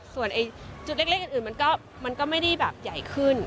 ส่วนจุดเล็กอื่นมันก็ไม่ได้แบบใหญ่ขึ้น